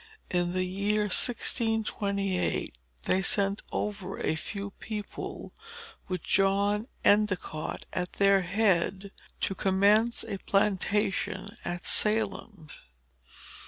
In the year 1628, they sent over a few people, with John Endicott at their head, to commence a plantation at Salem.